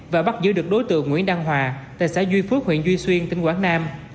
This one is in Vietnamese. và bắt giữ được đối tượng nguyễn đăng hòa tại xã duy phước huyện duy xuyên tỉnh quảng nam